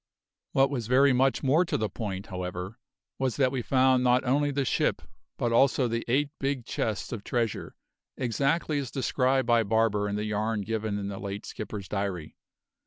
What was very much more to the point, however, was that we found not only the ship but also the eight big chests of treasure, exactly as described by Barber in the yarn given in the late skipper's diary.